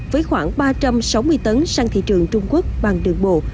với khoảng ba trăm sáu mươi tấn sang thị trường trung quốc bằng đường bộ